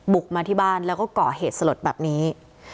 มาที่บ้านแล้วก็ก่อเหตุสลดแบบนี้